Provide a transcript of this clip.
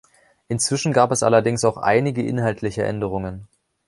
Inzwischen gab es allerdings auch einige inhaltliche Änderungen.